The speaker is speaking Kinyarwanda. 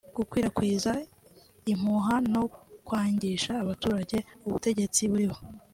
gukwirakwiza impuha no kwangisha abaturage ubutegetsi buriho